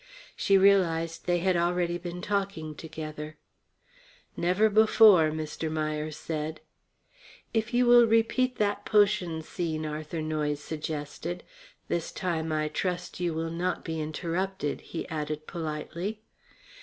She realized they had already been talking together. "Never before," Mr. Meier said. "If you will repeat the potion scene," Arthur Noyes suggested. "This time, I trust, you will not be interrupted," he added politely.